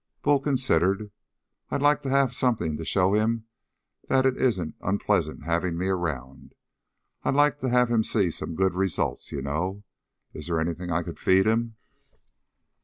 Bull considered. "I'd like to have something to show him that it isn't unpleasant having me around. I'd like to have him see some good results, you know? Is there anything I could feed him?"